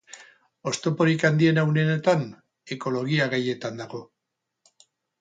Oztoporik handiena une honetan ekologia gaietan dago.